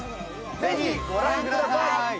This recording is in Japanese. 「ぜひご覧ください！」